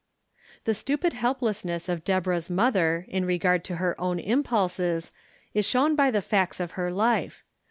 The stupid helplessness of Deborah's mother in re gard to her own impulses is shown by the facts of her life.